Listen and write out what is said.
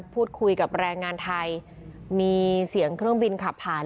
พูดคุยกับแรงงานไทยมีเสียงเครื่องบินขับผ่าน